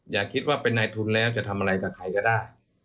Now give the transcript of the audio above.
อย่าคิดว่าเป็นนายทุนแล้วจะทำอะไรกับใครก็ได้